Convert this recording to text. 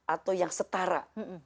atau yang setara